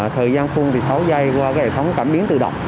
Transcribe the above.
thời gian phung thì sáu giây qua cái hệ thống cảm biến tự động